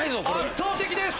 圧倒的です。